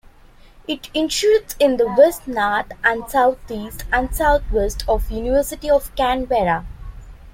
It intrudes in the west north and southeast and southwest of University of Canberra.